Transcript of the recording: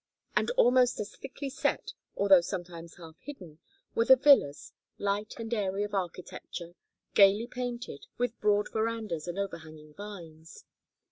And almost as thickly set, although sometimes half hidden, were the villas: light and airy of architecture, gayly painted, with broad verandas and overhanging vines.